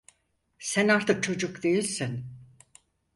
Sen artık çocuk değilsin.